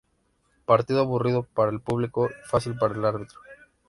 Partido aburrido para el público y fácil para el árbitro.